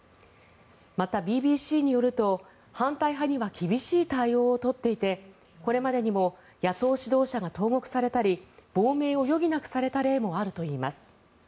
また、ＢＢＣによると反対派には厳しい対応を取っていてこれまでにも野党指導者が投獄されたり亡命を余儀なくされた例もあるといいます。